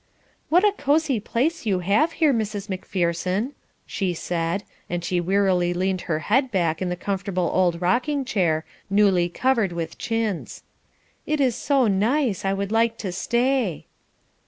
"What a cosy place you have here, Mrs. Macpherson," she said, and she wearily leaned her head back in the comfortable old rocking chair, newly covered with chintz. "It is so nice, I would like to stay."